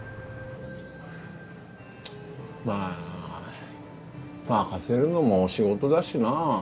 まぁ任せるのも仕事だしな。